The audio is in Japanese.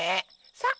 さっ！